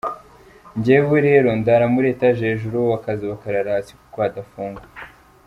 Njyewe rero ndara muri etage hejuru bo bakaza bakarara hasi kuko hadafungwa.